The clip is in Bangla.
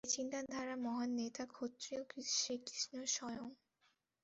এই চিন্তাধারার মহান নেতা ক্ষত্রিয় শ্রীকৃষ্ণ স্বয়ং।